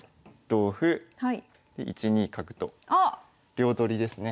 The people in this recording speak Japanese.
両取りですね。